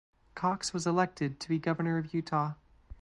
Cox was elected to be Governor of Utah.